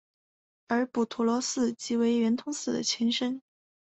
而补陀罗寺即为圆通寺的前身。